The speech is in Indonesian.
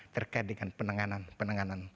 terkait dengan penanganan penanganan